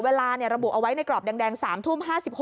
ระบุเอาไว้ในกรอบแดง๓ทุ่ม๕๖